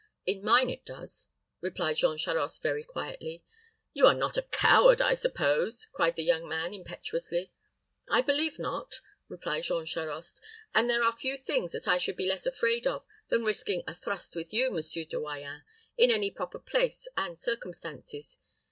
"In mine it does," replied Jean Charost, very quietly. "You are not a coward, I suppose," cried the young man, impetuously. "I believe not," replied Jean Charost; "and there are few things that I should be less afraid of than risking a thrust with you, Monsieur de Royans, in any proper place and circumstances.